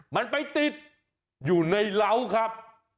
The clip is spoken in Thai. มันไปติดอยู่ในเหล้าครับ